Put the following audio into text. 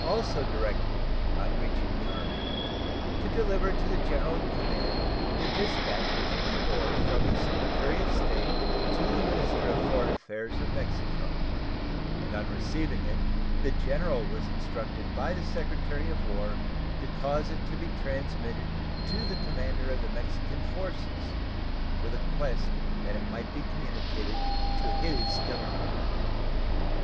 The commissioner was also directed on reaching the Army to deliver to the general in command the dispatch which he bore from the Secretary of State to the minister of foreign affairs of Mexico, and on receiving it the general was instructed by the Secretary of War to cause it to be transmitted to the commander of the Mexican forces, with a quest that it might be communicated to his Government.